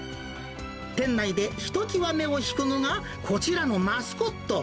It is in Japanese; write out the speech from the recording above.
店内で一際目を引くのが、こちらのマスコット。